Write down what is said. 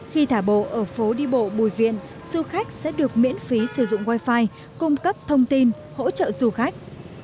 khi thả bộ ở phố đi bộ bùi viện du khách sẽ được miễn phí sử dụng wifi cung cấp thông tin hỗ trợ du khách